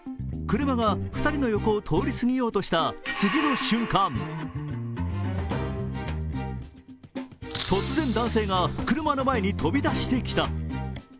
車が２人の横を通り過ぎようとした次の瞬間、突然、男性が車の前に飛び出してきた。